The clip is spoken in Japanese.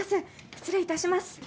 失礼いたします。